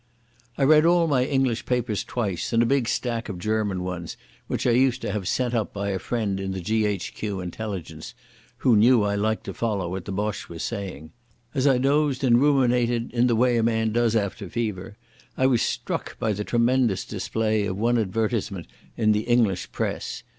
I read all my English papers twice and a big stack of German ones which I used to have sent up by a friend in the G.H.Q. Intelligence, who knew I liked to follow what the Boche was saying. As I dozed and ruminated in the way a man does after fever, I was struck by the tremendous display of one advertisement in the English press.